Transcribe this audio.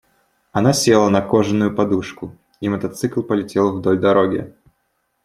Она села на кожаную подушку, и мотоцикл полетел вдоль дороги.